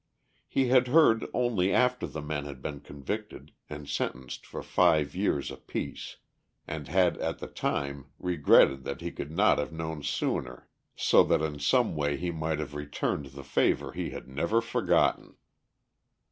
He had heard only after the men had been convicted and sentenced for five years apiece, and had at the time regretted that he could not have known sooner so that in some way he might have returned the favour he had never forgotten.